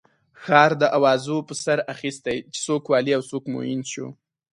ښار د اوازو پر سر اخستی چې څوک والي او څوک معین شو.